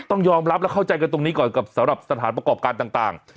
ต้องยอมรับและเข้าใจกันตรงนี้ก่อนกับสำหรับสถานประกอบการต่าง